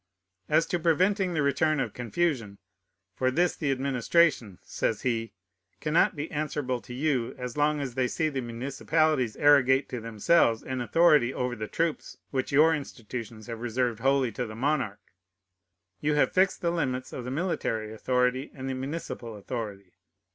As to preventing the return of confusion, "for this the administration" (says he) "cannot be answerable to you, as long as they see the municipalities arrogate to themselves an authority over the troops which your institutions have reserved wholly to the monarch. You have fixed the limits of the military authority and the municipal authority.